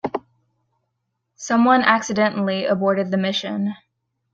Someone accidentally aborted the mission.